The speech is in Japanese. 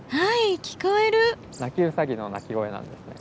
ナキウサギの鳴き声なんですね。